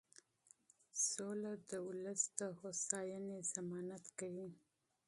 سوله د ملت د هوساینې ضمانت کوي.